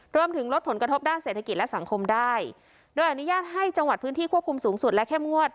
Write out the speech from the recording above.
รวมถึงลดผลกระทบด้านเศรษฐกิจและสังคมได้โดยอนุญาตให้จังหวัดพื้นที่ควบคุมสูงสุดและเข้มงวด